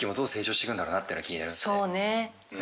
そうね。